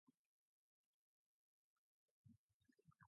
The letters were interesting and he was unscrupulous.